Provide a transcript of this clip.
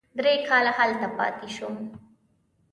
درې کاله هلته پاتې شوم.